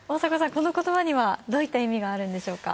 この言葉にはどういった意味があるんでしょうか。